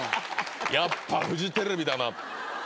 「やっぱフジテレビだな」